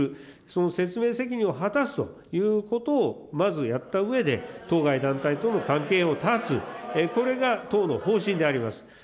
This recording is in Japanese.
その説明責任を果たすということをまずやったうえで、当該団体との関係を断つ、これが党の方針であります。